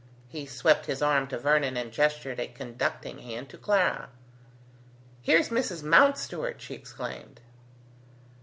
He swept his arm to Vernon, and gestured a conducting hand to Clara. "Here is Mrs. Mountstuart!" she exclaimed.